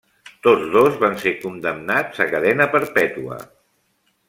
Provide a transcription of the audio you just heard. Tots dos van ser condemnats a cadena perpètua.